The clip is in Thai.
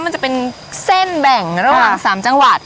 มันจะเป็นเส้นแบ่งระหว่าง๓จังหวัด